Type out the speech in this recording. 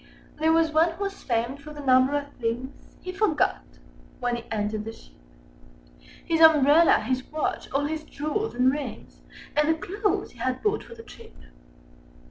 There was one who was famed for the number of things Â Â Â Â He forgot when he entered the ship: His umbrella, his watch, all his jewels and rings, Â Â Â Â And the clothes he had bought for the trip.